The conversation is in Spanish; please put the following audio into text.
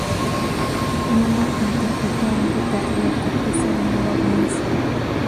Nuno interpretó a un repartidor de pizza llamado "Vince".